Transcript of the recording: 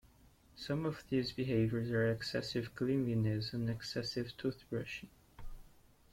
Some of these behaviors are excessive cleanliness and excessive toothbrushing.